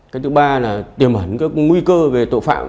cái thứ ba là tiềm hẳn các nguy cơ về tội phạm